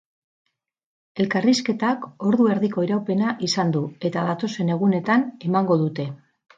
Elkarrizketak ordu erdiko iraupena izan du eta datozen egunetan emango dute.